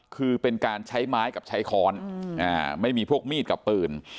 คือเป็นการใช้ไม้กับใช้ค้อนไม่มีพวกมีดกับปืน